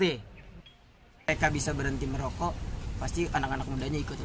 mereka bisa berhenti merokok pasti anak anak mudanya ikut